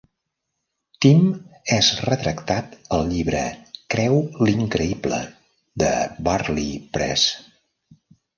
Tim és retractat al llibre "Creu l'increïble" de Bartley Press.